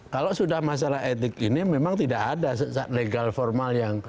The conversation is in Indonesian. kalau sudah masalah etik ini memang tidak ada legal formal yang